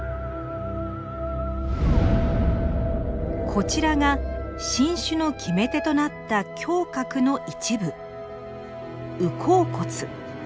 こちらが新種の決め手となった胸郭の一部烏口骨。